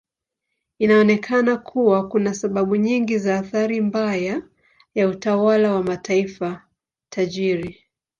Inaonekana kuwa kuna sababu nyingi za athari mbaya ya utawala wa mataifa tajiri.